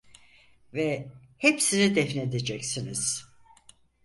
Ve hepsini defnedeceksiniz…